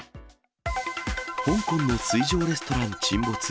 香港の水上レストラン沈没。